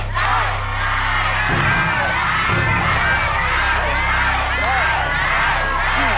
ได้